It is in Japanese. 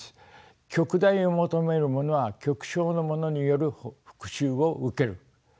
極大を求めるものは極小のものによる復しゅうを受ける。